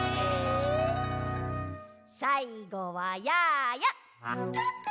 さいごはやーや。